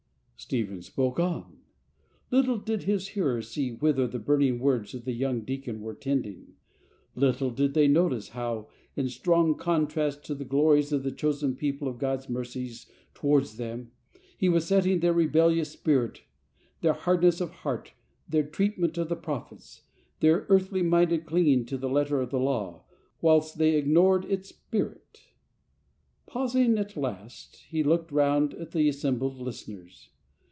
Stephen spoke on. Little did his hearers see whither the burning words of the young deacon were tending. Little did they notice how, in strong contrast to the glories of the Chosen People and God's mercies towards them, he was setting their rebellious spirit, their hardness of heart, their treatment of the Prophets, their earthly minded clinging to the letter of the Law whilst they ignored its spirit. Pausing at last, he looked round at the assembled listeners.